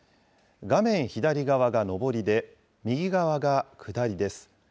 画面左側が上りで右側が下りです。